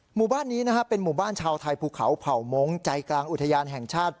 หมู่บ้านนี้นะฮะเป็นหมู่บ้านชาวไทยภูเขาเผ่ามงค์ใจกลางอุทยานแห่งชาติ